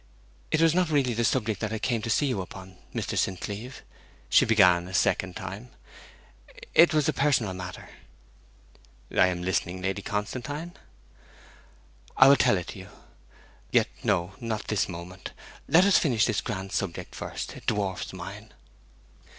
... It was not really this subject that I came to see you upon, Mr. St. Cleeve,' she began a second time. 'It was a personal matter.' 'I am listening, Lady Constantine.' 'I will tell it you. Yet no, not this moment. Let us finish this grand subject first; it dwarfs mine.'